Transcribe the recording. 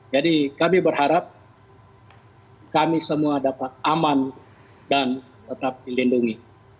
jadi kami berharap kami semua dapat aman dan tetap dilindungi